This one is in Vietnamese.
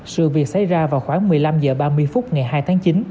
sự việc xảy ra vào khoảng một mươi năm h ba mươi phút ngày hai tháng chín